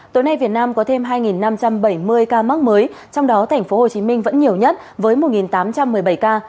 tối nay việt nam có thêm hai năm trăm bảy mươi ca mắc mới trong đó tp hcm vẫn nhiều nhất với một tám trăm một mươi bảy ca